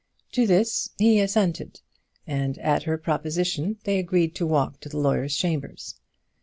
To this he assented, and at her proposition they agreed to walk to the lawyer's chambers.